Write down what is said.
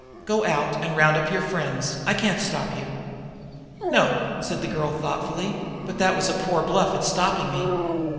"Go out and round up your friends; I can't stop you." "No," said the girl thoughtfully, "but that was a poor bluff at stopping me."